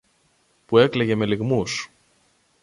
που έκλαιγε με λυγμούς.